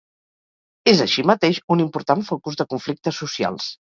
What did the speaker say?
És així mateix un important focus de conflictes socials.